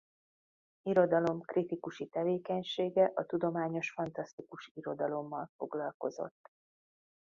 Irodalomkritikusi tevékenysége a tudományos-fantasztikus irodalommal foglalkozott.